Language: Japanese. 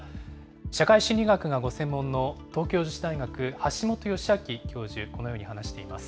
社会心理学がご専門の東京女子大学、橋元良明教授、このように話しています。